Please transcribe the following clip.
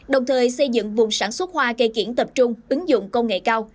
đồng thời xây dựng vùng sản xuất hoa cây kiển tập trung ứng dụng công nghệ cao